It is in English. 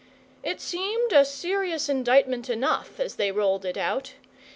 It seemed a serious indictment enough, as they rolled it out.